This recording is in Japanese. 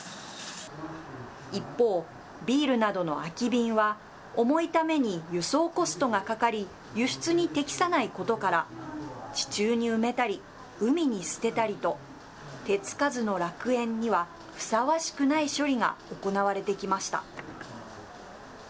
一方、ビールなどの空き瓶は、重いために輸送コストがかかり、輸出に適さないことから、地中に埋めたり、海に捨てたりと、手付かずの楽園にはふさわしくない処理が行われてきました。